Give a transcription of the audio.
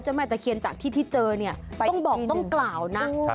แม่ตะเคียนจากที่ที่เจอเนี่ยต้องบอกต้องกล่าวนะ